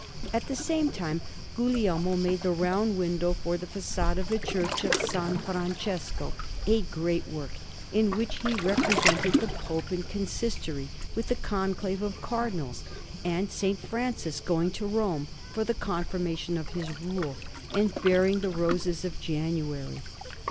At the same time Guglielmo made the round window for the façade of the Church of S. Francesco, a great work, in which he represented the Pope in Consistory, with the Conclave of Cardinals, and S. Francis going to Rome for the confirmation of his Rule and bearing the roses of January.